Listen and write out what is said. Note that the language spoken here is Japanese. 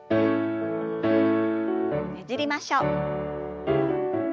ねじりましょう。